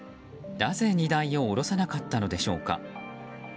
なぜ、荷台を下ろさなかったのでしょうか。